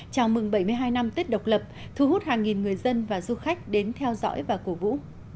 chào mừng bảy mươi hai năm tết độc lập thu hút hàng nghìn người dân và du khách đến theo dõi và cổ vũ